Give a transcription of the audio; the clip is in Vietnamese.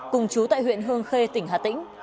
cùng chú tại huyện hương khê tỉnh hà tĩnh